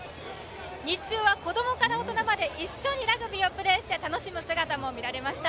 日中は子どもから大人まで一緒にラグビーをプレーして楽しむ姿も見られました。